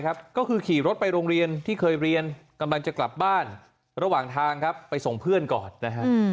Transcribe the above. ก็คือขี่รถไปโรงเรียนที่เคยเรียนกำลังจะกลับบ้านระหว่างทางครับไปส่งเพื่อนก่อนนะฮะ